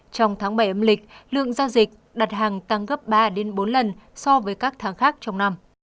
trong tháng bảy âm lịch lượng giao dịch đặt hàng tăng gấp ba bốn lần so với các tháng khác trong năm